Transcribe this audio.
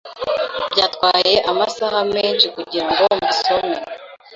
Byantwaye amasaha menshi kugirango mbisome.